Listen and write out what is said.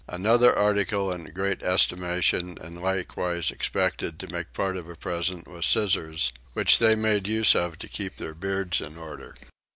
Another article in great estimation and likewise expected to make part of a present was scissors, which they made use of to keep their beards in order.